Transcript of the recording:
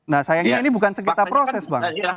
nah sayangnya ini bukan sekitar proses bang